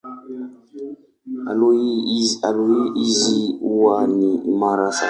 Aloi hizi huwa ni imara sana.